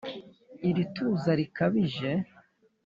ili tuza likabije